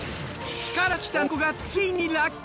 力つきた猫がついに落下。